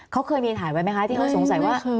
เขาเคยมีถ่ายไว้ไหมคะที่เขาสงสัยว่า